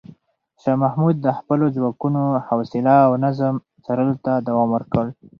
شاه محمود د خپلو ځواکونو حوصله او نظم څارلو ته دوام ورکړ.